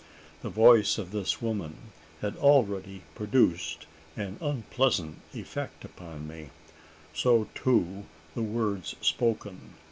The voice of this woman had already produced an unpleasant effect upon me; so, too, the words spoken.